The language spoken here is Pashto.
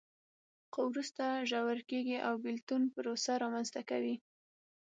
خو وروسته ژور کېږي او بېلتون پروسه رامنځته کوي.